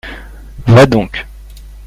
Va donc !